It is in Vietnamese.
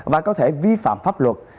và có thể vi phạm pháp luật